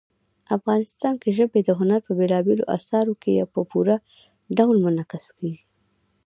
افغانستان کې ژبې د هنر په بېلابېلو اثارو کې په پوره ډول منعکس کېږي.